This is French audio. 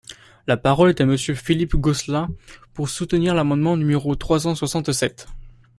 La parole est à Monsieur Philippe Gosselin, pour soutenir l’amendement numéro trois cent soixante-sept.